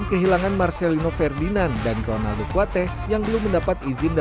tapi kalau kita mencari keuntungan dari tim kita